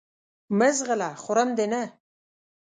مه ځغله خورم دې نه !